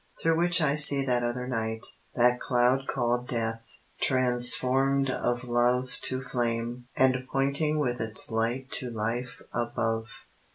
Through which I see that other night, That cloud called Death, transformed of Love To flame, and pointing with its light To life above.